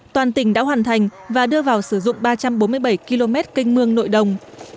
toàn tỉnh đã hoàn thành và đưa vào sử dụng ba trăm bốn mươi bảy km canh mương nội đồng